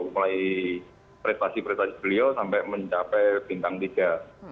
mulai prestasi prestasi beliau sampai mencapai bintang tiga